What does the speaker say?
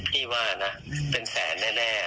พี่ว่านะเป็นแสนแน่